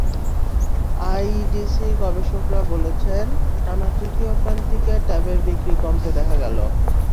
আইডিসির গবেষকেরা বলছেন, টানা তৃতীয় প্রান্তিকে ট্যাবের বিক্রি কমতে দেখা গেল।